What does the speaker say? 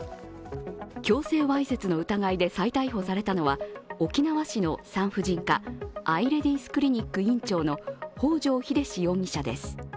強制わいせつの疑いで再逮捕されたのは沖縄市の産婦人科、あいレディースクリニック院長の北條英史容疑者です。